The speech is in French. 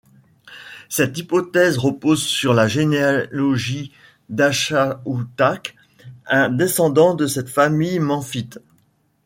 Cette hypothèse repose sur la généalogie d'Achaoutakh, un descendant de cette famille memphite.